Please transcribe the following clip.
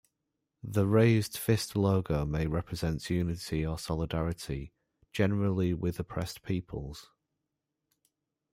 The raised fist logo may represent unity or solidarity, generally with oppressed peoples.